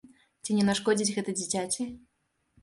Ці не нашкодзіць гэта дзіцяці?